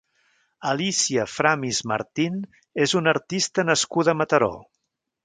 Alícia Framis Martín és una artista nascuda a Mataró.